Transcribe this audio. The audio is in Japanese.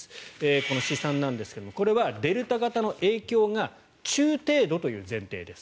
この試算なんですがこれはデルタ型の影響が中程度という前提です。